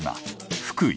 福井